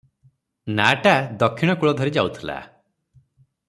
ନାଆଟା ଦକ୍ଷିଣ କୂଳ ଧରି ଯାଉଥିଲା ।